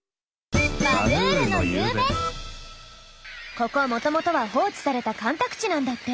ここもともとは放置された干拓地なんだって。